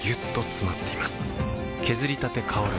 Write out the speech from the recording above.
削りたて香る